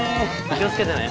気を付けてね。